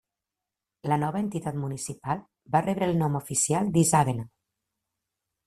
La nova entitat municipal va rebre el nom oficial d'Isàvena.